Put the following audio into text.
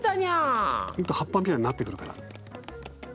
葉っぱみたいになってくるから。